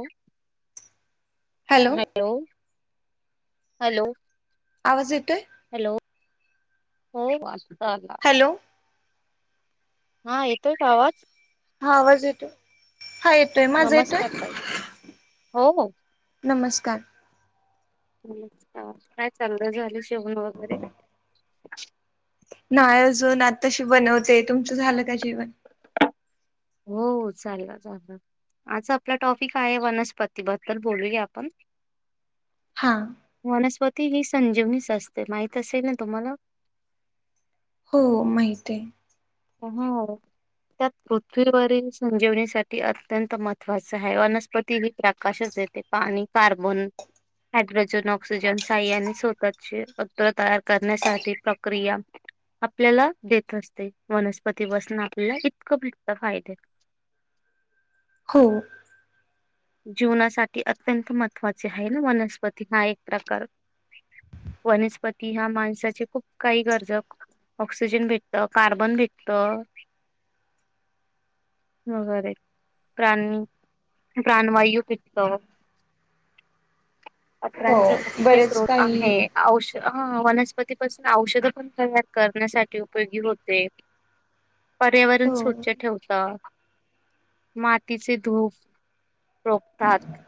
[inaudible] Hello? Hello? आवाज येतोय? Hello हो [unintelligible] हॅलो [unintelligible] हा येतोय का आवाज? हा आवाज येतो. हा येतोय. माझा येतोय? नमस्कार ताई हो हो नमस्कार. काय? काय चाललं झालं [unintelligible] जेवण वगैरे [unintelligible] नाही अजून आताशी बनवते. तुमचं झालं का जेवण? हो हो चाललं चालं आजचा आपला टॉपिक आहे वनस्पती बद्दल बोलूया आपण. हा वनस्पती. ती ही संजीवनीच असते. माहित असेल ना तुम्हाला? हो माहित आहे. त्यात पृथ्वीवरील संजीवनीसाठी अत्यंत महत्वाच आहे वनस्पती ह प्रकाशात येते पाणी कार्बन हायड्रोजन ऑक्सिजन सहाय्याने स्वतःचे अन्न तयार करण्यासाठी प्रक्रिया आपल्याला देत असत. वनस्पती पासनं आपल्याला इतकं भेटत फायदे. हो. जीवनासाठी अत्यंत महत्त्वाचे आहे ना वनस्पती. हा एक प्रकार वनस्पती ह्या माणसाचे खूप काही गरजा ऑक्सिजन भेटत, कार्बन भेटत, वगैरे प्राणी प्राण वायू भेटतो. हो पत्रांचा मुख्य बरेच स्रोत काही आहे. औष हा वनस्पतीपासून औषधं पण तयार करण्यासाठी उपयोगी होते. पर्यावरण हो स्वच्छ ठेवतात, मातीचे धूप रोखतात.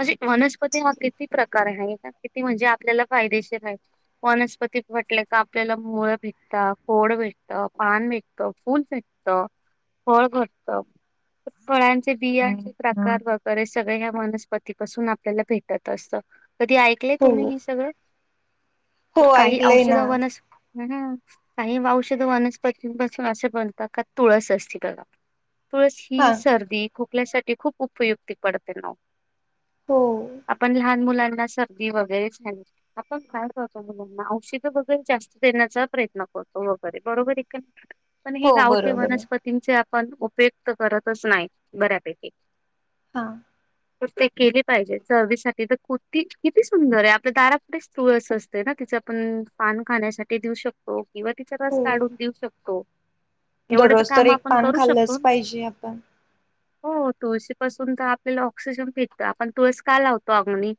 म्हणजे वनस्पती हा किती प्रकार आहे. किती म्हणजे आपल्याला फायदेशीर आहे. वनस्पती म्हटले का आपल्याला मुळ भेटत, खोड भेटत, पान भेटत, फूल भेटत, फळ भेटत, फळांचे बियाचे प्रकार वगैरे सगळे ह्या वनस्प पतीपसून आपल्याला भेटत असत. कधी ऐकलेय तुम्ही हो हे सगळं? हो तर काही ऐकलंय ना औषधावनस महं काही औषध वनस्पतींपासून असं बनतात, का तुळस असती त्याला. पस हा ही सर्दी खूप आपल्यासाठी खूप उपयुक्ती पडते ना ओ. हो आपण लहान मुलां सर्दी वगैरे आपण का, राहतो मुला औषध वगैरे जास्त देण्याचा प्रयत्न करतो वगैरे बरोबर. पण हे हो गावठे बरोबर आहे वनस्पतींचे पण उपयुक्त करतच नाही बऱ्यापैकी हा. ते केली पाहिजे चवीसाठी तर कुर्ती किती सुंदर आहे. आपल्या दारापुठेच तूळस असते, ना तिचं आपण पान खाण्यासाठी देऊ शकतो. किंवा तिचा रस हो काढून देऊ शकतो. एवढे दररोज तर काम एक आपण पान करू खाल्लंच शकतो. पाहिजे आपण हो तुळशी पाासून तर आपल्याला ऑक्सिजन भेटतो. आपण तुळस का लावतो अंगोनी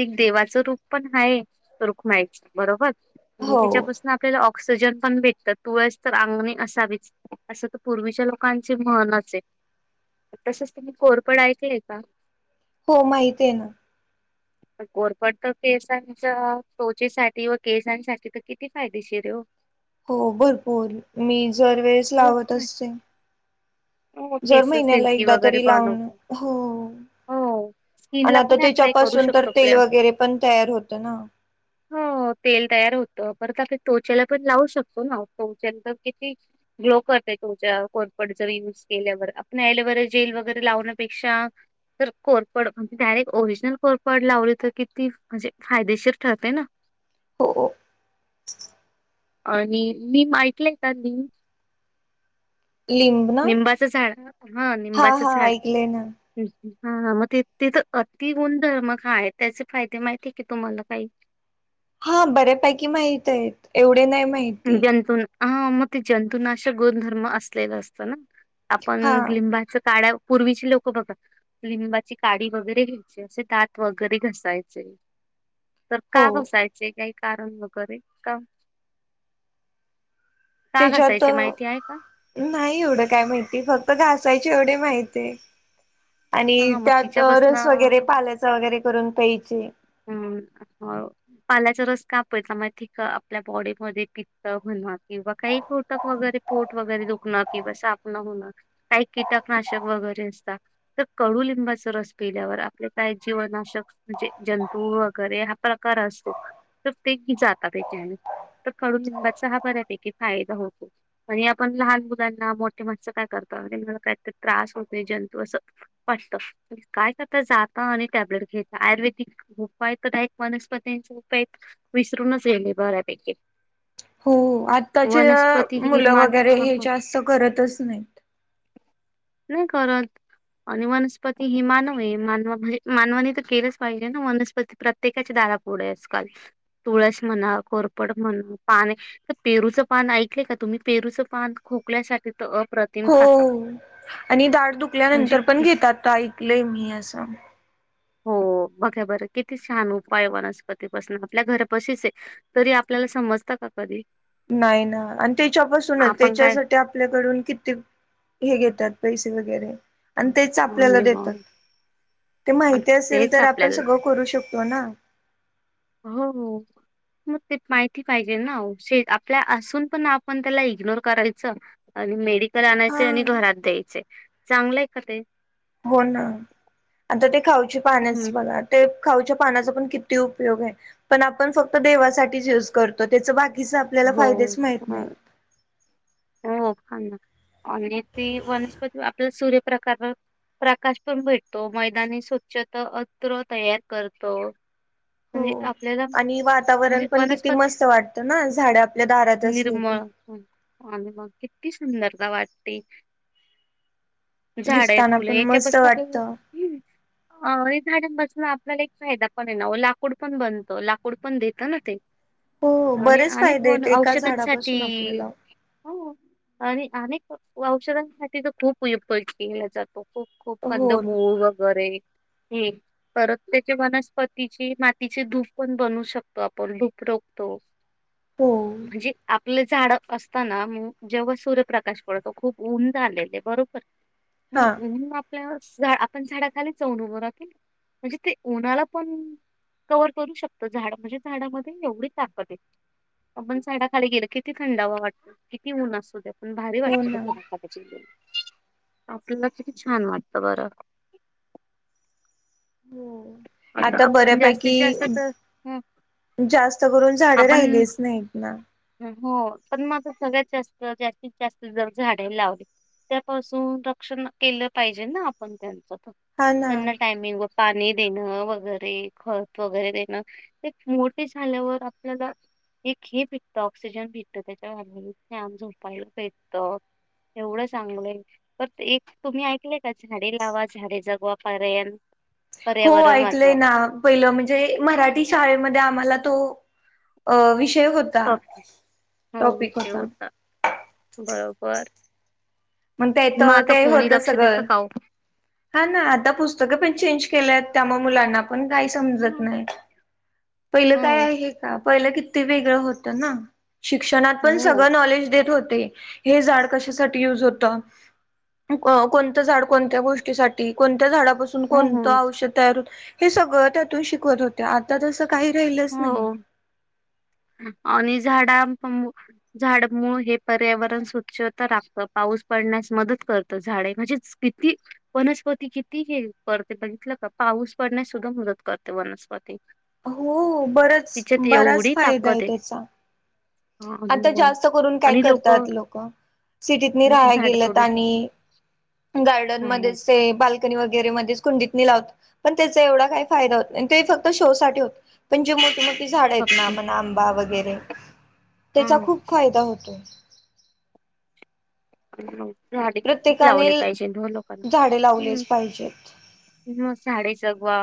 एक देवाचं रूप पण आहे, रूखुमायचं बरोबर आणि हो त्याच्यापासून आपल्याला ऑक्सिजन पण भेटतात. तुळस तर अंगणी असावीच असं तर पूर्वीच्या लोकांची म्हहनचं आहे. तसचं तुमही कोरपड ऐकलंय का हो माहित आहे ना कोरपड तर केसांच्या तोचेसाठी व केसांसाठी तर किती फायदेशीर आहे हो हो भरपूर मी जर वेळेस लावत खूप असते, हो जर केस महिन्याला सिल्की एकदा वगैरे तरी लावण, बनवतो हो हो आणि स्किनला आता पण अप्लाय करू त्याच्यापासून तर शकतो तेल आपल्या वगैरे पण तयार होत ना हो तेल तयार होतं परत आपण तोचेला पण लावू शकतो, ना तो किती ग्लो पडते त्चा कोरपड जर युज केल्यावर आपणवर एँलोवेरा जेल वगैरे लावण्यापेक्षा कोरपड म्हणजे डायरेक्ट ओरिजनल कोर पड लावली तर किती, म्हणजे फायदेशीर ठरते ना हो हो आणि मी माऐटलंय येतानी लिंब ना निंबाचं झाड हा निंबाचं हा झाड ऐकले ना हं हं हा मग ते तर अति गुणधर्मग आहे त्याचे फायदे माहिती आहे की तुम्हाला काही हा बऱ्यापैकी माहित आहेत एवढे नाही माहि जंतु हा मग ते जंतुनाशक गुणधर्म असलेला असतं ना आपण हा लिंबाचा काठा पूर्वीची लोक बघा लिंबाची काडी वगैरे घ्यायचे असे दात वगैरे घसायचे तर हो का घासायचे काही कारण वगैरे का का त्याच्यात घसायचे माहिती आहे का? नाही एवढं काय माहिती फक्त घा कयचे एवढे माहित आहे आणि हां, मग त्यात रस वगैरे तिच्यापासनं पालायचा वगैरे करून प्यायचे पाल्याचा रस कापयचा मािक आपल्या बॉडीमध्ये पित्त होणं किंवा काही पोटक वगैरे पोट वगैरे दुखणं किंवा सापणं होणं काही कीटकनाशक वगैरे असत तर कडु लिंबाच रस पिल्यावर आपले काय जीवनाशक म्हणजे जंतू वगैरे हा प्रकार असतो तर ते जात त्याच्याने तर कडूलिंबाचा हा बऱ्यापैकी फायदा होतो आणि आपण लहान मुलांना मोठे मातस काय करतला कायत त्रास होतो जंतू असं वाटत काय करता जाता आणि टॅबलेट घ्यायचा आयुर्वेदिक उपाय तर एकक वनस्पतींचे उपाय विसरूनच येल बऱ्यापैकी हो आत्ताच्या वनस्पती ही मुलं मान वगैरे हे जास्त करतच नाहीत नाही करत आणि वनस्पती हे मानव आहे मानवा म्हणजे मानवानी तर केलेच पाहिजे वनस्पती प्रत्येकाच्या दारापुढ आजकाल तुळस म्हणा कोरपड म्हणा पान पेरूचं पान ऐकले का तुम्ही पेरूचं पान खोकल्यासाठी तर अप्रतिम हो खाता आणि दाट म्हणजे दुखल्यानंतर पण कि घेतात ऐकले मी असं हो बघा बरं किती छान उपाय वनस्पतीपासून आपल्या घरापशीच आहे तरी आपल्याला समजत का कधी नाही ना आणि त्याच्यापासूनच आपण काय त्याच्यासाठी आपल्याकडून किती हे घेतात पैसे वगैरे आणि तेच हा, आपल्याला आणि देतात मग ते आणि माहिती असेल तेच तर आपण आपल्याला सगळं करू शकतो होोणा हो मग ते माहिती पाहिजे ना आपल्या असून पण आपण त्याला इग्नोर करायचं आणि मेड तर हा आणायचे आणि घरात द्यायचे चांगलंय का ते हो ना आता ते खाऊची पानच हं. बघ ते पाण किती उपयोग पण आपण फक्त देवा य करतो त्या आपल्याला हो फायदेच माहत हो नाही हो हां आणि ती वनस्पती आपल्या सूर्यप्रकार प्रकाश पण भेटतो मैदानी स्वच्छता अत्र तयार करतो हो म्हणजे आपल्याला आणि म्हणजे वातावरण पण किती वनस्पती मस्त वाटतं ना झाड आपल्या दारात असली निर्मळ की हं. आणि मग किती सुंदरता वाटते झाड आहे दिसताना फुलं पण एका मस्त बस वाटत. आपल्या झाड बसून आपल्याला एक फायदा पण आहे ना लाकूड पण बनतो लाकूड पण देत ना ते हो आणि बरेच अनेक फायदे वन आहेतेत एका झाडापासून आपल्याला हा आणि अनेक औषधांसाठी तर खूप उु केला जातो खूप खूप कंद हो मूळ वगैरे ह परत त्याचे वनस्पतीची मातीचे धूप पण बनू शकतो आपण धूप रोखतो हो म्हणजे आप झाड अस ता ना जेव्हा सूर्यप्रकाश पडतो खूप उऊंंद आलेले बरोबर म हा उ आप आपण झाडाखाली चवन उभं रा केल म्हणजे ते उन्हाला पण कवर्ह करू शकत झाड म्हणजे झाडामध्ये एवढी ताकद आहे आपण झाडाखाली गेल किती थंडावा वाटत किती ऊन असतो त्यात पण भारी हो ना वाटतची आपल्याला किती छान वाटत बरं हो आता आपण जास्तीत बऱ्यापैकी जास्त तर ह जास्त करून झाड आपण राहिलीच नाहीत ना हो पण मग सगळ्यात जास्त जास्तीत जास्त जर झाडे लावली त्यापासून रक्षण केलं पाहिजे ना आपण त्यांचं हा ना सण टामिंग पाणी देणं वगैरे खत वगैरे देणं एक मोठे झाल्यावर आपल्याला एक हे भेटत ऑक्सिजन भेटतं त्याच्या म झोपायला भेटत एवढं चांगलं आहे पर एक तुम्ही ऐकलय का झाडे लावा झाडे जगवापर्यंत हो ऐकलंय ना पहिलं म्हणजे मराठी शाळेमध्ये आम्हाला तो विषय होता हो विषय होता बरोबर मग त्याेत आता ते कोणी होत लक्ष देतं सगळं का हो हा ना आता पुस्तकं पण चेंज केल्यात त्या मग मुलाना आपण काही समजत हम्म. नाही पहिलं हो काय आहे का पहिलं किती वेगळं होतं ना शिक्षणात पण हो सगळं नॉलेज देत होत हे झाड कशासाठी यूज होत कोणत झाड कोणत्या गोष्टसाठी कोणत्या झाडा हो हो कोणतं औषध तयार हे सगळं त्यातून शिकवत होते आता जस हो आणि झाडा झाड मुूळ हे पर्यावरण स्वच्छता राखत पाऊस पडण्यास मदत करत झाडे म्हणजे किती वनस्पती किती हे करते बघितलं का पाऊस पडण्यास सुद्धा मदत करते वनस्पती हो बराच तिच्यात बराच एवढी फायदा आहे ताकद त्याचा आता मग जास्त करून काय करतात लोक सिटीत नाही राहा झाड गेलेत तोडून आणि गार्डन मध्येच ते बाल्कनी वगैरे मधीच कुंडीतनी पण त्याचा एवढा काय फाय हो ते फक्त शो साठी होत पण जे मोठ ती झाड आहेत ना म्हण आंबा वगैरे त्याचा खूप फायदा होतो ह हो झाडे खूप प्रत्येकाने लावले पाहिजे द लोकांना झाडे लावलेच पाहिजेत म झाडे जगवा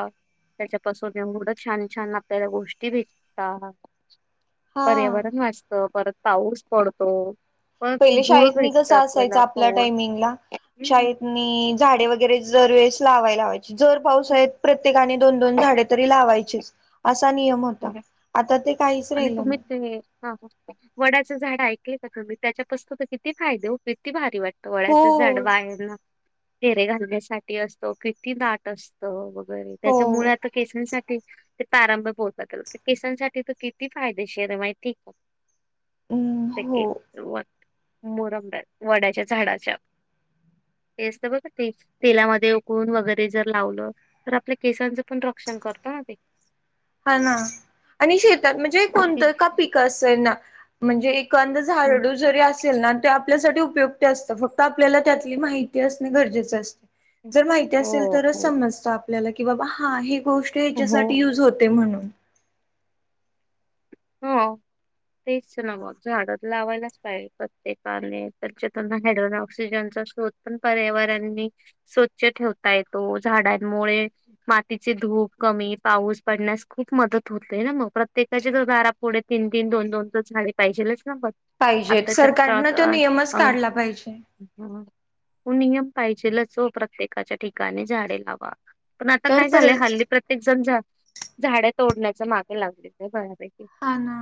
त्याच्यापासून मुर्ढ छान छान आपल्याला गोष्टी भेटतात हा. पर्यावरण वाचत परत पाऊस पडतो ब बळ का असाय आप टाइमिंग ला हम्म. शाळतनी झाडे वगैरे जर वेळस लावाय लावाय जर पाऊस आहे प्रत्येकाने दोन दोन झाडे तरी लावायची अस हो आणि राहिलं तुम्ही नाही ते वडाचं झाड ऐक मी त्याच्यापसत तर किती फाये हो किती भारी वाटते ोळ्याच झाड हो बाहेर ना चेरे घालण्यासाठी असतो किती दट असत बर हो त्याच्या मु केस ते प्रारंभ बोत बदल तर केिसांसाठी तर किती फायदेशीर माहिती आहे का हम्म तक हो. दो मोरम्या वड्याच्या झाडाच्या हे असत बघ ते तेलामध्ये उकळून वगैरे जर लावलं तर आपल्या केसांच पण रक्षण करतो ना ते हा ना आणि शेतात म्हणजे ते ती कोणतं का पिकं असंय ना म्हणजे एक कंद हं, झारडू जरी असेल ना ते आपल्यासाठी उपयुक्त असतं फक्त आपल्याला त्यातली माहिती असणे गरजेचे असते. हं. जर माहिती हो, असेल तरच हो, समजत. आपल्याला कि बा हा हे गोष्ट हो, या्याच्यासाठी युज होत. म्हणून हो तेच ना मग झाड लावायलाच पाहिजे प्रत्येकाने तरच्या त्यांना हो हो तेच नव्ह झाडे लावायलाच पाहिजे प्रत्येकाने हायड्रोजन ऑक्सिजनचा शोध पण पर्यावरणनी स्वच्छ ठेवता येतो झाडांमुळे मातीचे धूप कमी पाऊस पडण्यास खूप मदत होतेय ना मग प्रत्येकाचे दारा पुढे तीन तीन दोन दोन तर झाडे पाहिजे. पाहिजेत सरकारनं तो नियमच काढला पाहिजे. अ नियम पाहिजेलच हो प्रत्येकाच्या ठिकाणी झाडे लावा. पण आता तर काय झालंय परत हल्ली प्रत्येक जण जा झाड तोडण्याच्या मागे लागली बऱ्यापैकी हाना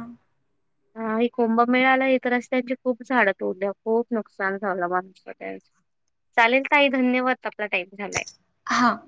हा कुंभमेळाला हे तरच त्यांची खूप झाडं त तोडल्या खूप नुकसान झालं माणूस त्यांच चालेल ताई धन्यवाद. झालाय. हा